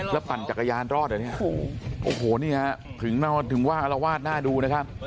แล้วปั่นจักรยานรอดเหรอเนี่ยโอ้โหนี่ฮะถึงว่าอารวาสหน้าดูนะครับ